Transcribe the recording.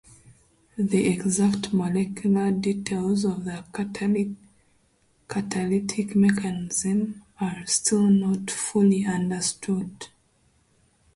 The exact molecular details of the catalytic mechanism are still not fully understood.